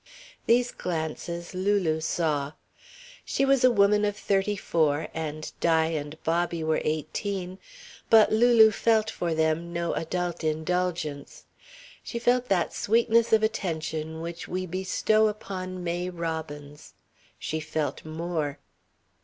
These glances Lulu saw. She was a woman of thirty four and Di and Bobby were eighteen, but Lulu felt for them no adult indulgence. She felt that sweetness of attention which we bestow upon May robins. She felt more.